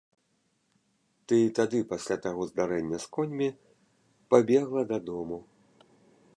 Ты тады, пасля таго здарэння з коньмі, пабегла дадому.